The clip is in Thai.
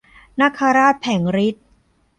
นาคราชแผลงฤทธิ์